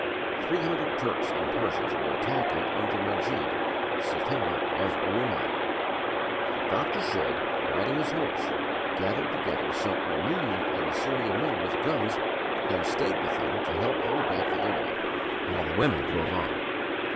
Three hundred Turks and Persians were attacking under Majdi Sultana of Urumia. Dr. Shedd, riding his horse, gathered together some Armenian and Assyrian men with guns and stayed with them to help them hold back the enemy, while the women drove on.